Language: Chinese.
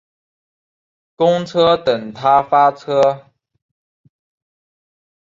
公车等他发车